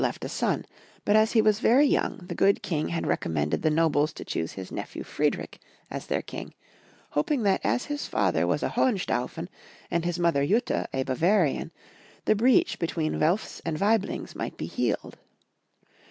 left a son, but as he was very young the good king had recommended the nobles to choose liis nephew Friedrich as their king, hoping that as his father was a Hohenstaufen, and his mother Jutta a Bavarian, the breach between Welfs and Waiblings might be healed.